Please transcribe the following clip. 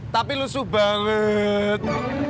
tapi lusuh banget